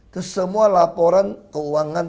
terus semua laporan keuangan